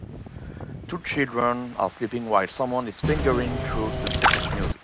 Two children are sleeping while someone is fingering through a book of music.